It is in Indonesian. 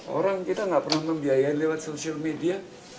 orang kita nggak pernah membiayai lewat social media